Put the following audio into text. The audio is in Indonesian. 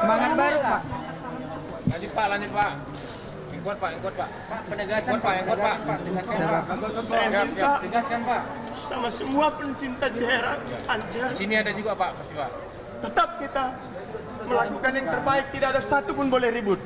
saya minta sama semua pencinta jr ance tetap kita melakukan yang terbaik tidak ada satu pun boleh ribut